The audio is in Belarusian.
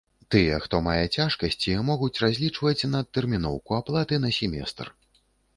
Тыя, хто мае цяжкасці, могуць разлічваць на адтэрміноўку аплаты на семестр.